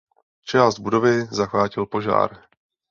Část budovy zachvátil požár.